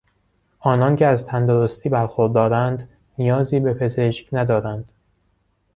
آنان که از تندرستی برخوردارند نیازی به پزشک ندارند.